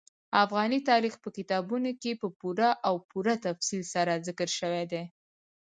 افغاني تاریخ په کتابونو کې په پوره او پوره تفصیل سره ذکر شوی دي.